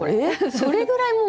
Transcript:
それぐらいもうリアル。